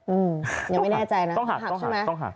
อืมยังไม่แน่ใจนะหักใช่ไหมต้องหักต้องหักต้องหัก